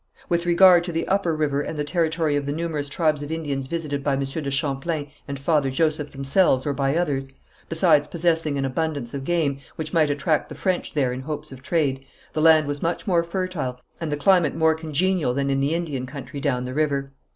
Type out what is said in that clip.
With regard to the upper river and the territory of the numerous tribes of Indians visited by Monsieur de Champlain and Father Joseph themselves, or by others, besides possessing an abundance of game, which might attract the French there in hopes of trade, the land was much more fertile and the climate more congenial than in the Indian country down the river.